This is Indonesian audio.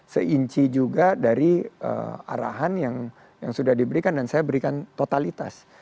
seinci juga dari arahan yang sudah diberikan dan saya berikan totalitas